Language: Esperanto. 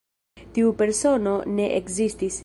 Tiu persono ne ekzistis.